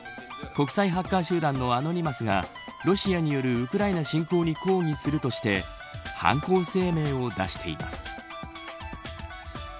国際ハッカー集団のアノニマスがロシアによるウクライナ侵攻に抗議するとして犯行声明を出しています。